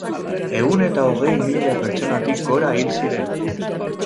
Ehun eta hogei mila pertsonatik gora hil ziren.